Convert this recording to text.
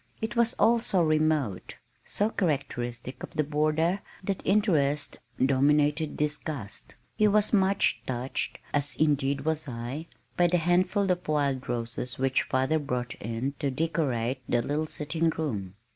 It was all so remote, so characteristic of the border that interest dominated disgust. He was much touched, as indeed was I, by the handful of wild roses which father brought in to decorate the little sitting room.